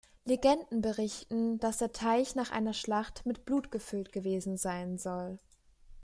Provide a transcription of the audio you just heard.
Legenden berichten, dass der Teich nach einer Schlacht mit Blut gefüllt gewesen sein soll.